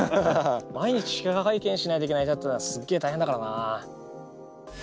毎日記者会見しないといけないなっていうのはすっげえ大変だからな。